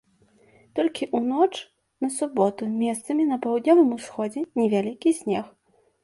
Толькі ў ноч на суботу месцамі на паўднёвым усходзе невялікі снег.